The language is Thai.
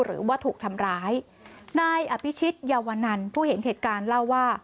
หรือว่าถูกทำร้ายนายอภิชิตเยาวนันผู้เห็นเหตุการณ์เล่าว่า